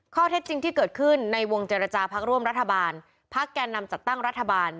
ข้อเท็จจริงที่เกิดขึ้นในวงเจรจาพักร่วมรัฐบาลพักแก่นำจัดตั้งรัฐบาล